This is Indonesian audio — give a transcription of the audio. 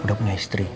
udah punya istri